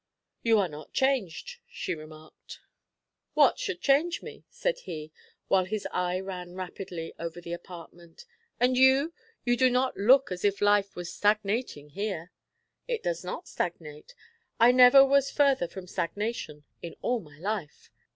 "You are not changed," she remarked. "What should change me?" said he, while his eye ran rapidly over the apartment. "And you? you do not look as if life was stagnating here." "It does not stagnate. I never was further from stagnation in all my life."